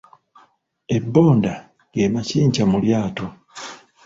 Ebbonda ge makikya mu lyato.